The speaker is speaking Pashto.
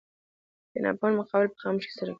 د ناپوهانو مقابله په خاموشي سره کوئ!